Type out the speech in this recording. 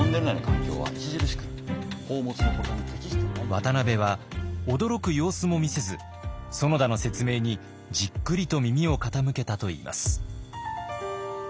渡部は驚く様子も見せず園田の説明にじっくりと耳を傾けたといいます。